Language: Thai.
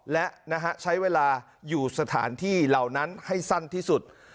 และใช้เวลาอยู่สถานที่เหล่านั้นให้สั้นที่สุด